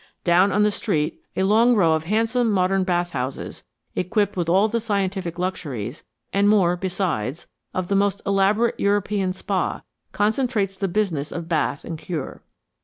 Down on the street a long row of handsome modern bath houses, equipped with all the scientific luxuries, and more besides, of the most elaborate European spa, concentrates the business of bath and cure.